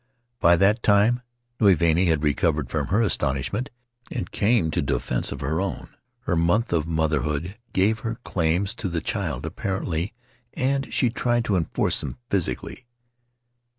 By that time Nui Vahine had recovered from her astonishment and came to the defense of her own. Her month of motherhood gave her claims to the child, apparently, and she tried to enforce them physic ally.